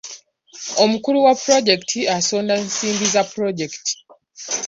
Omukulu wa pulojekiti asonda nsimbi za pulojekiti.